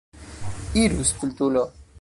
Iru, stultulo!